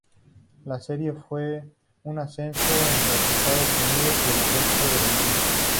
La serie fue un suceso en los Estados Unidos y el resto del mundo.